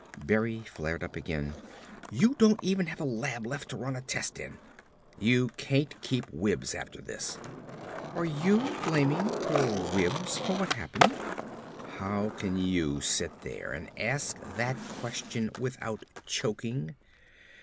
Berry flared up again. "You don't even have a lab left to run a test in. You can't keep Wims after this!" "Are you blaming poor Wims for what happened?" "How can you sit there and ask that question without choking?